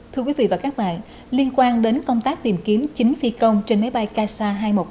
thưa quý vị và các bạn liên quan đến công tác tìm kiếm chín phi công trên máy bay kasa hai trăm một mươi tám